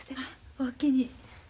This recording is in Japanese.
おおきに。